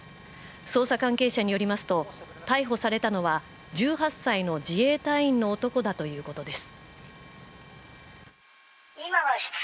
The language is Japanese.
捜査関係者によりますと、逮捕されたのは１８歳の自衛隊員の男だということです。